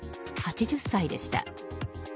８０歳でした。